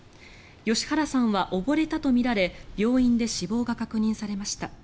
吉原さんは溺れたとみられ病院で死亡が確認されました。